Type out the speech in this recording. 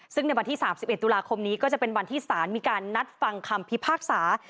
ซึ่งในวันที่๓๑ตุลาคมนี้ก็จะเป็นวันที่สารมีการนัดฟังคำพิพากษา